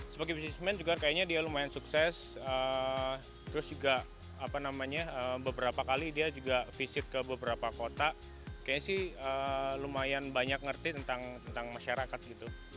sebagai bisnismen juga kayaknya dia lumayan sukses terus juga apa namanya beberapa kali dia juga visit ke beberapa kota kayaknya sih lumayan banyak ngerti tentang masyarakat gitu